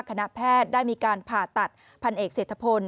คณะแพทย์ได้มีการผ่าตัดพันเอกเศรษฐพล